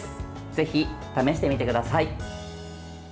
ぜひ試してみてください。